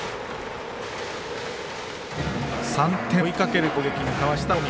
３点を追いかける攻撃に変わりました、近江。